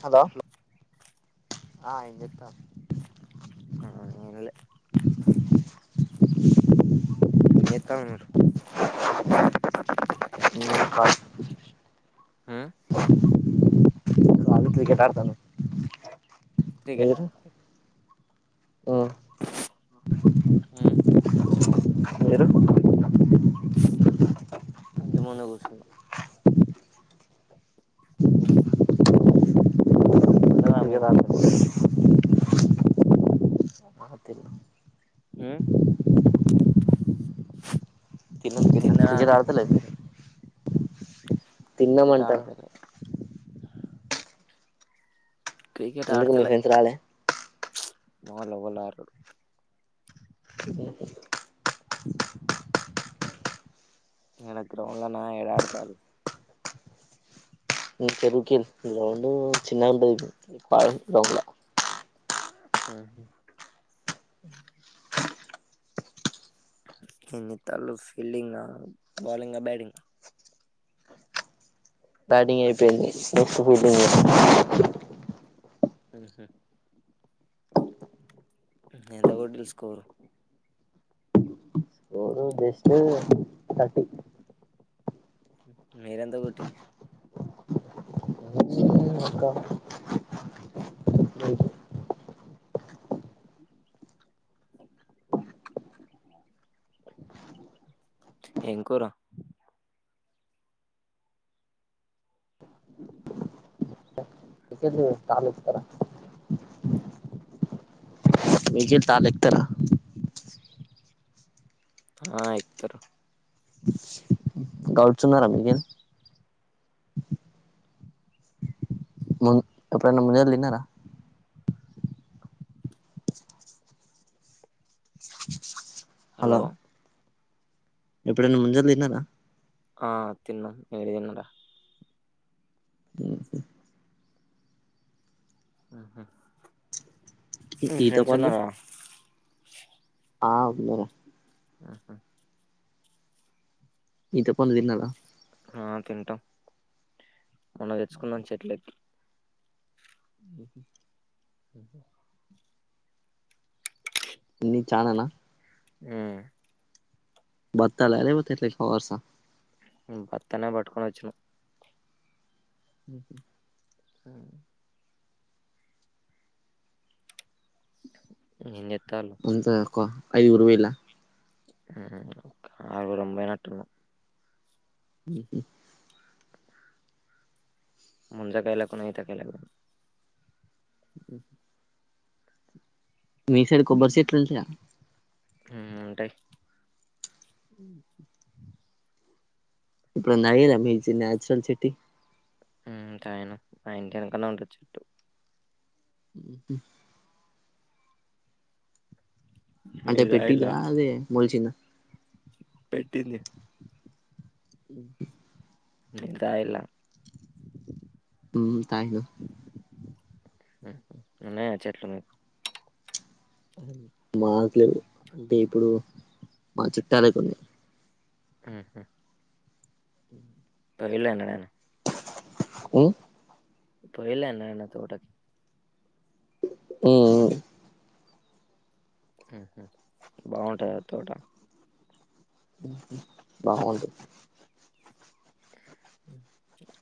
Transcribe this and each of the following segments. Hello ఏం చేత్తున్నావ్ ఆ తినలే ఎక్కడ ఉన్నారు [unintelligible] ఆ వాళ్ళు క్రికెట్ ఆడుతాన్లు క్రికెట్ ఆడతాల్ల ఆ ఆ మీరు ఆడ కూసున్నము తిన్నారా క్రికెట్ మీరు ఆడతారు తిన్నాం ఉమ్ తిన్నాం తిన్నాం తిన్నరా క్రికెట్ అంటే ఆడుతలే మీరు క్రికెట్ తిన్నామంటానా ఆడతలే క్రికెట్ ఎందుకు మీ ఫ్రెంస్ రాలే వాళ్లు ఎవ్వరూ రారు అ ఎడ గ్రౌండ్ లనా ఎడ ఆడతాలు చెరుకెల్ గ్రౌండ్ చిన్నగా ఉంటది ఇప్పుడు ఆడరు గ్రౌండ్ల ఆ అ ఎన్ని తళ్ళు ఫీల్డింగ్ బౌలింగ్ బ్యాటింగ్ బ్యాటింగ్ అయిపోయింది నెక్స్ట్ ఫీల్డింగ్ హహ ఎంత కొట్టిల్లు స్కోరు నేను జస్ట్ థర్టీ మీరెంత కొట్టిల్లు నేను ఒక ఏం కూర నికిల్ కార్ల ఎక్కుతడా నికిల్ కార్ల ఎక్కుతడా ఆ ఎక్కుతరు గౌడ్స్ ఉన్నారా మీకేలి మున్ ఎప్పుడున్న ముంజల్ దిన్నరా హలో ఎప్పుడన్న ముంజలు తిన్నరా ఆ తిన్నం మీర్ దిన్నరా ఉమ్ మీ ఈత పండు ఫ్రెండ్సున్నరా ఆ ఉన్నరు ఆహా ఈత పండు తిన్నరా ఆ తింటాం మొన్న తెచ్చుకున్నం చెట్లెక్కి ఉమ్ హ్ ఉమ్ హ్ న్ని చాననా ఉమ్ బత్తాల లేకపోతే ఎట్ల కవర్స ఉమ్ బత్తనే పట్టుకొని వచ్చిన ఉమ్ హ్ హ్మ్ ఏం జెత్ అంత తక్కువ అయిదు గురు పోయిళ్ళ ఉమ్ హ్ ఆరుగురం పోయినట్టున్నం ఉమ్ హ్ ముంజకాయలకును ఈతకాయలకు పోయినం ఉమ్ హ్ మీ సైడ్ కొబ్బరి చెట్లుంటయా ఉమ్ ఉంటయి ఉమ్ హ్ ఎప్పుడన్న దాగేదా మీ చి నాచురల్ చెట్టుయి ఉమ్ తాగిన మా ఇంటి వెనకాల్ల ఉంటది చెట్టు ఉమ్ హ్ అంటే మీరు పెట్టిల్లా అదే మొలిచిందా పెట్టిందే ఉమ్ మీర్ తాగిల్లా ఉమ్ తాగినం ఆహ ఉన్నయా చెట్లు మీకు మాకు లేవ్వు అంటే ఇప్పుడు మా చుట్టాలకున్నయ్ ఉమ్ హ్ అ తొవ్విళ్ల ఎన్నడన్న ఉ పొయిన్లా అనిల్ అన్నా తోటకి. ఊఊ ఊహు బాగుంటదా ఆ తోటా ఊహు బాగుంటది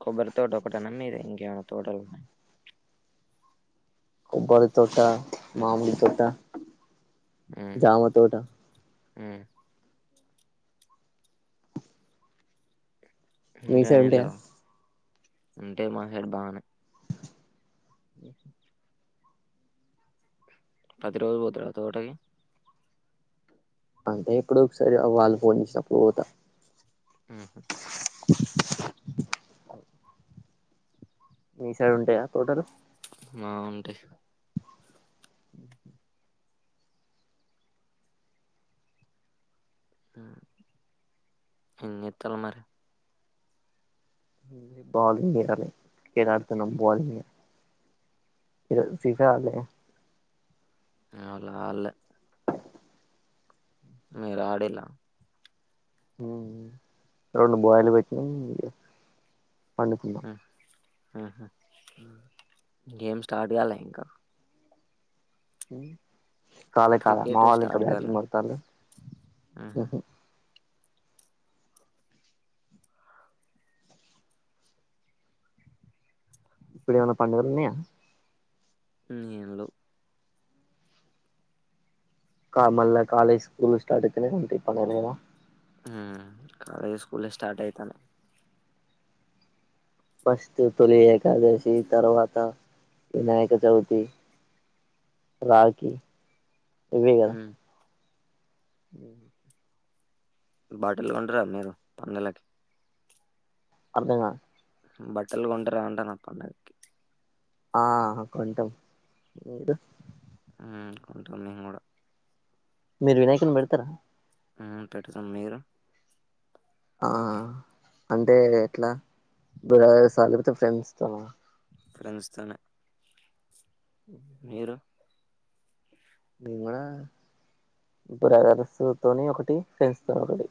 కొబ్బరి తోట ఒకటేనా మీది ఇంకేమన్న తోటలున్నాయ. కొబ్బరి తోటా, మామిడి తోటా, జామ తోటా. హ్మ హ్మ్ మీ ఇంకా సైడ్ ఏం ఉంటాయా లేవ్ ఉంటాయ్ మా సైడ్ బాగనే. పది రోజులు పోతరా తోటకి అంటే ఎప్పుడో ఒకసారి వాళ్ళు ఫోన్ చేశినప్పుడు పోతా. ఊహు మీసైడ్ ఉంటయా తోటలు మా ఉంటయ్ హ్మ్ ఏం చేత్తానవ్ మరి. ఓన్లి బౌలింగ్ జెయ్యాలి క్రికెట్ ఆడుతున్నాం బౌలింగే. ఈ రోజు సీసా ఆడలే. ఇవాళ ఆడ్లే మీరు ఆడిళ్ళా హ్ము రెండు బయిల్డు పెట్టినా ఇగ పండుకున్నా ఊహు ఉ గేమ్ స్టార్ట్ గాలే ఇంకా ఉమ్ కాలే కాలే మా క్రికెట్ వోళ్ళు ఇంకా స్టార్ట్ కాలే. బ్యాటింగ్ కొడతాన్లు హుహు. ఊహు ఇప్పుడు ఏమన్న పండుగలు ఉన్నయా. ఏం లెవ్ కా మళ్ళా కాలేజ్ స్కూళ్ళు స్టార్ట్ ఐతనే ఉంటయ్ పండగలేవ్ గదా. హ్ము కాలేజ్ స్కూళ్ళే స్టార్ట్ అయితానయ్. ఫస్టు తొలి ఏకాదశీ తర్వాతా వినాయక చవితీ. రాఖి ఇవ్వే గదా. హ్మ్. ఉ బాటిళ్ళు కొంటరా మీరు పండగలకి అర్ధంగా బట్టలు కొంటరా అంటానా పండగకి. ఆ అహ కొంటం మీరు ఊ కొంటం మేమ్ గూడా మీరు వినాయకుడిని పెడతరా ఊ పెడుతం మీరు ఆ అంటే ఎట్లా బ్రదర్సా లేకపోతే ఫ్రెండ్స్ తోనా. ఫ్రెండ్స్ తోనే ఊహు నేను గూడా బ్రదర్స్ తొ తోని ఒకటి ఫ్రెండ్స్ తోని ఒకటి.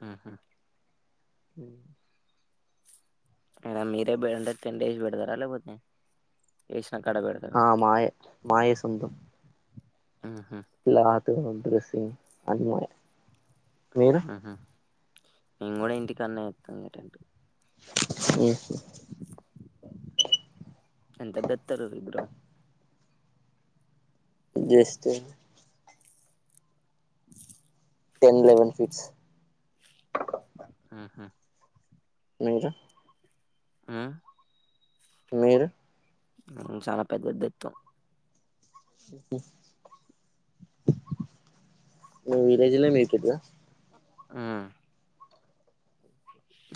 హుహు ఉమ్ అయినా మీరే బడంటారు తండేసి పెడతారా లేకపోతే ఎస్ ఆ మాయే మాయే సొంతం ఉమ్ హు త్త బ్రసింగ్ అమో హా హా మేం కూడా ఇంటికనే చేస్తం అటువంటివి ఏసు ఎంతది తెస్తారు విగ్రహం జస్ట్ టెన్ లేవెన్ ఫిట్స్ ఉహు ఇంకా ఉమ్ మీరు ఉమ్ చాలా పెద్దది తెత్తం ఉహు మీ విలేజలో మీటుద ఆ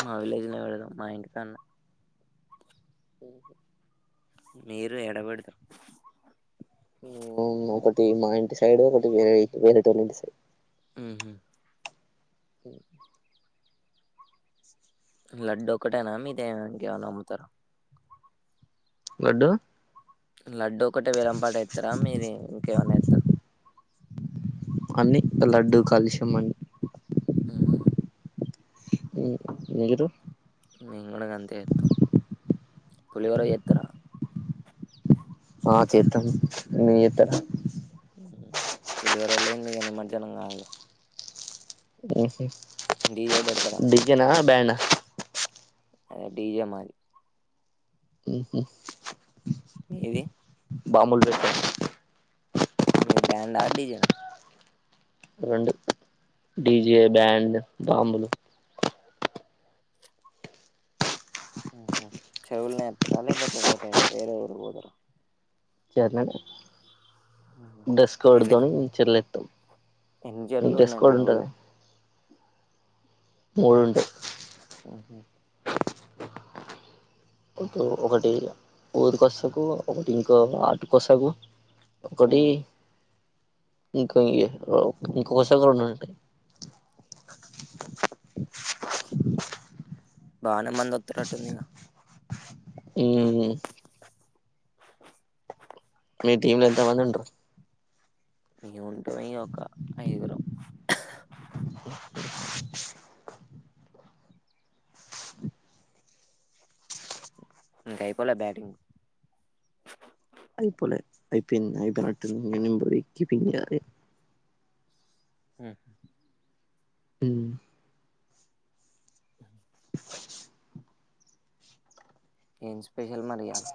మా విలేజ్ లో పేడదాం మా ఇంటికాన్నె ఓహో మీరు యాడ పెడుతారు మేము ఒకటి మా ఇంటి సైడ్ ఒకటి వేరే వేరేటోల్లింటి సైడ్ ఉమ్ హు ఉమ్ లడ్డు ఒకక్కటేనా మీదే ఇంకేమైనా అమ్ముతార లడ్డు లడ్డూ ఒకటే వేలంపాట ఎస్తారా మీది ఇంకేమైనా ఎస్తార్ అన్ని లడ్డూ కాలుష్యం అని ఉమ్ హు ఉమ్ మీరు మేం కూడా గంత్తే చేత్తం పులిహోర చేస్తారు ఆ చేస్తాను నేను చేస్తారా ఉమ్ పులిహోర లేంది ఇగ నిమర్జనం కాదుగ ఎస్ ఎస్ డీజే పెడతారా అదే డిజె మాది ఉమ్ హు మీది బములు జేస్తారు మీది బ్యాడ్ ఆ డీజే నా రెండు ఉహు డీజే బ్యాండ్ డ్రమ్ములు ఉమ్ హు చెరువులోనే ఎత్తర లేకపోతే వేరే వేరే ఊరు పోతరా చెర్లోనే మ్మ్. డెస్క్ కోడ్ ఎన్ని తోని చేర్లో ఎస్తం ఎన్ని చెరువులు డ్రెస్ ఉన్నాయి మీ కోడ్ ఉంటది కదా ఊళ్ళో మూడు ఉంటాయి ఆహ ఒక ఒకటి ఊరి కోసకు ఒకటి ఇంకో ఆటు కోసకు ఉ ఒకటి ఇంకా ఇకా ఈ కోసకు ఉండుంటే బానే మంది ఒత్తురట్టు ఉందిగా ఉ పిటీమ్ లో ఎంత మంది ఉంటారు మేము ఉంటాం ఇగ ఒక ఐదుగురం ఇంకా అయిపోలే బ్యాటింగ్ అయిపోలే అయిపోయింది అయిపోయినట్టుంది ఇక మేము పోకి పని ఉహో మ్ ఏం స్పెషల్ మరి ఇయ్యాల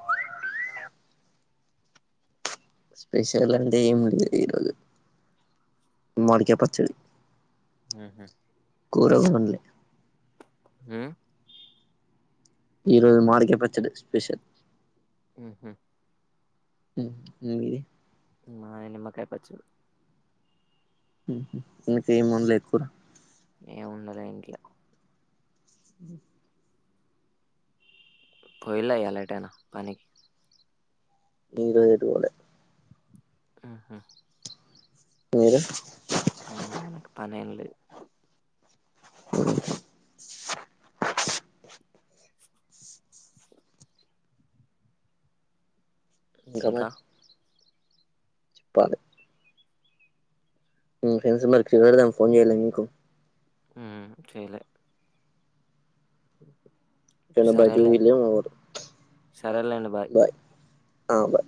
స్పెషల్ అంటే ఏం లేదు ఈరోజు మడిక పచ్చడి ఆహ కురోజుకొనులే ఆ ఈరోజు మాడిక పచ్చడే స్పెషల్ ఉహ ఇది మా నిమ్మకాయ పచ్చడి ఏం మొన్లే కూర ఏమున్నదో ఇంట్లో అ పోయేలా ఇయ్యాల ఎటైనా పనికి ఇంకా ఎటు పోలే ఆహా మీరు ఆ మనకు పని ఏం లేదు అ ఇంకా మరి చెప్పాలి ఫ్రెండ్స్ మరికి చడదాం ఫోన్ చేయలే మీకు ఉ చేయలే బయటికి పోయిలో సరేలేండి ఏమో అప్పుడు సరేలేండి బాయ్ ఎ ఆ బాయ్